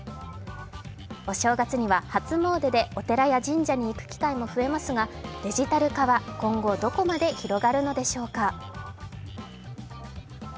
お正月には初詣でお寺や神社に行く機会も増えますがデジタル化は今後、どこまで広がるのでしょうか。